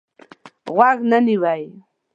غوږ نه نیوی.